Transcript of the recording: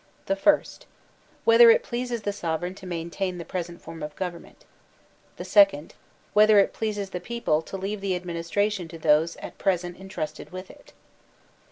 The first: * Whether it pleases the sovereign to main tain the present form of government.* The second: ^Whether it pleases the people to leave the administration to those at present intrusted with it.